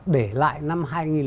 để lại năm hai nghìn chín